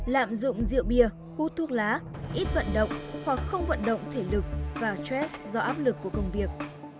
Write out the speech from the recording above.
lạm dụng rượu bia hút thuốc lá ít vận động hoặc không vận động thể lực và trress do áp lực của công việc